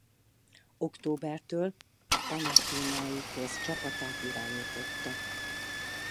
Októbertől a Panathinaikósz csapatát irányította.